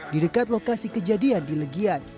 di dekat lokasi kejadian di legian